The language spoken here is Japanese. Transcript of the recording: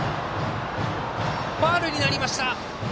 ファウルになりました。